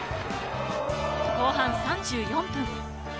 後半３４分。